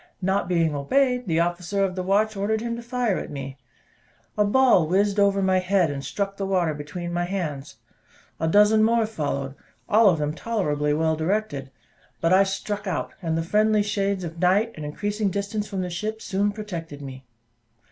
Not being obeyed, the officer of the watch ordered him to fire at me. A ball whizzed over my head, and struck the water between my hands. A dozen more followed, all of them tolerably well directed; but I struck out, and the friendly shades of night, and increasing distance from the ship, soon protected me.